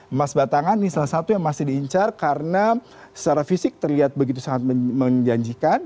emas batangan ini salah satu yang masih diincar karena secara fisik terlihat begitu sangat menjanjikan